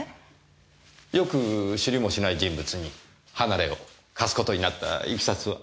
よく知りもしない人物に離れを貸す事になったいきさつは？